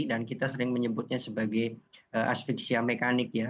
dan kita sering menyebutnya sebagai asfiksia mekanik ya